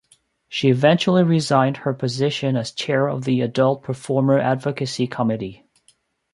She eventually resigned her position as chair of the Adult Performer Advocacy Committee.